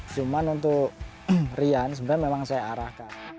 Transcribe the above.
cuma untuk rian sebenarnya memang saya arahkan